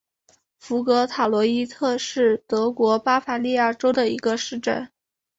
福格塔罗伊特是德国巴伐利亚州的一个市镇。